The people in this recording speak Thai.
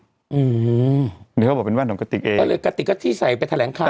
อืมเดี๋ยวเขาบอกเป็นแว่นของกติกเองกติกก็ที่ใส่ไปแถลงข่าว